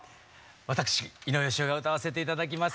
私井上芳雄が歌わせて頂きます。